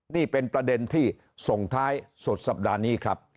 นี่เป็นประเด็นที่ส่งท้ายสุดสัปดาห์นี้ครับ